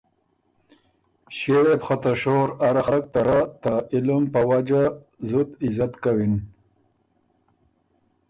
ݭيې وې بو خه ته شور اره خلق ته رۀ ته علم په وجه عزت کَوِن،